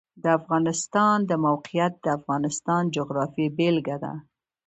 د افغانستان د موقعیت د افغانستان د جغرافیې بېلګه ده.